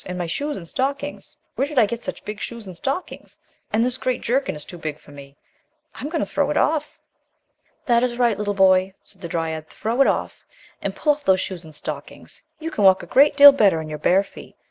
And my shoes and stockings! Where did I get such big shoes and stockings? And this great jerkin, it is too big for me. I am go ing to throw it off." "That is right, little boy," said the dryad, "throw it off, and pull off those shoes and stockings; you can walk a great deal better in your bare feet.